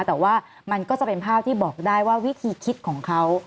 แต่ว่ามันก็จะเป็นภาพที่บอกได้ว่าวิธีคิดของเขา